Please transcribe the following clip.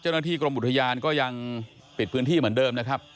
เจ้าหน้าที่กรมอุทยานก็ยังปิดพื้นที่เหมือนเดิมนะครับ